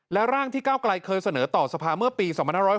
และร่างที่เก้าไกลเคยเสนอต่อสภาเมื่อปี๒๕๖๐